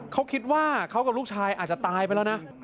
เขาคิดว่าเขากับลูกชายอาจจะตายไปแล้วนะ